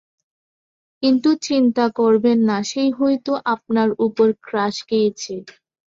কিন্তু চিন্তা করবেন না সে হয়তো আপনার উপর ক্রাশ খেয়েছে।